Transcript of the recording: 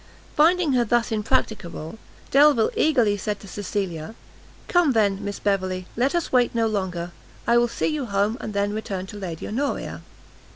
Finding her thus impracticable, Delvile eagerly said to Cecilia, "Come then, Miss Beverley, let us wait no longer; I will see you home, and then return to Lady Honoria."